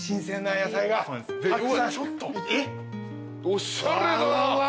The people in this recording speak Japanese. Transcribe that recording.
おしゃれだ。